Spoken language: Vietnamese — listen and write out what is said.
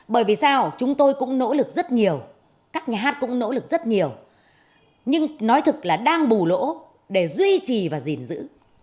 bởi vì sao chúng tôi cũng nỗ lực rất nhiều các nhà hát cũng nỗ lực rất nhiều nhưng nói thực là đang bù lỗ để duy trì và gìn giữ